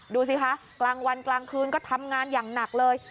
ดูสิคะกลางวันกลางคืนก็ทำงานอย่างหนักเลย